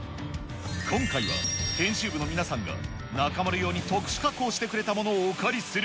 今回は編集部の皆さんが、中丸用に特殊加工してくれたものをお借りする。